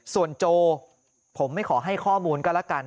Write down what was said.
ส่วนโจผมไม่ขอให้ข้อมูลก็แล้วกัน